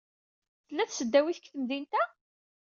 Tella tesdawit deg temdint-a?